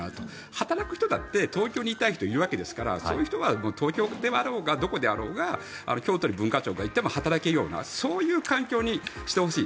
働く人だって東京にいたい人はいるわけですからそういう人は東京であろうがどこであろうが京都に文化庁がいても働けるようなそういう環境にしてほしい。